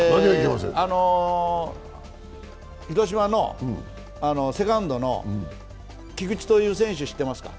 広島のセカンドの菊池という選手、知っていますか？